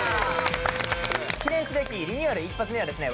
記念すべきリニューアル一発目はですね